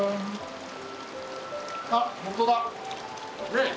ねえ。